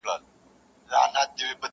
چي عبرت د لوى او کم، خان او نادار سي!.